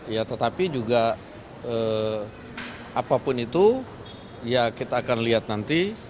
ya tetapi juga apapun itu ya kita akan lihat nanti